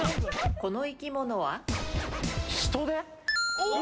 この生き物は？